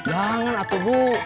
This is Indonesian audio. jangan atu bu